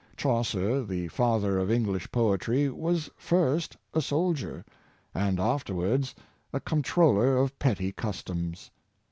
Chaucer, the father of English poetry, was first a soldier, and afterwards a comptroller of petty customs.